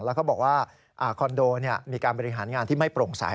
แล้วก็บอกว่าคอนโดมีการบริหารงานที่ไม่โปร่งใส